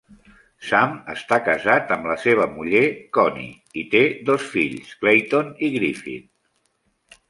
Sam està casat amb la seva muller, Connie, i té dos fills, Clayton i Griffin.